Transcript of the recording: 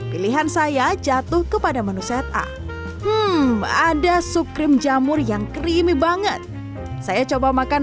pilihan saya jatuh kepada menuset pada cek ya ada sup krim jamur yang crime banget saya coba makan